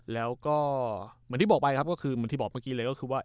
แล้วก็เหมือนที่บอกเมื่อกี้เลยก็คือว่า